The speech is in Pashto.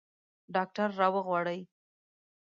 ډاکټر راوغواړئ